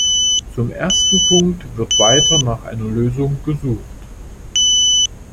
Zum ersten Punkt wird weiter nach einer Lösung gesucht.